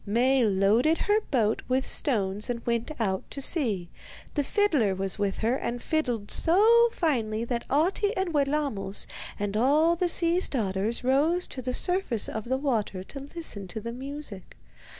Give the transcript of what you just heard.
Maie loaded her boat with stones and went out to sea. The fiddler was with her, and fiddled so finely that Ahti and Wellamos and all the sea's daughters rose to the surface of the water to listen to the music.